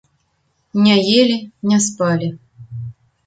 Не елі, не спалі.